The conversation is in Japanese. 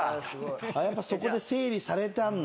やっぱそこで整理されたんだ。